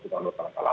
kepala kepala kepala